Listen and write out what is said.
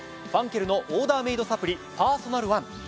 ファンケルのオーダーメイドサプリパーソナルワン。